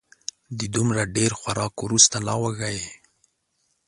د دومره ډېر خوراک وروسته لا وږی و